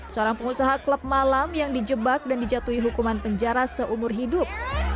seorang pengusaha klub malam yang dijebak dan dijatuhi hukuman penjara seumur hidup